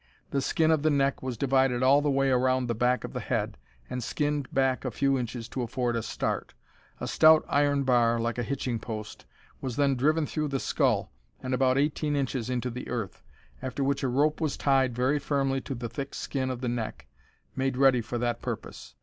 The skin of the neck was divided all the way around at the back of the head, and skinned back a few inches to afford a start. A stout iron bar, like a hitching post, was then driven through the skull and about 18 inches into the earth, after which a rope was tied very firmly to the thick skin of the neck, made ready for that purpose.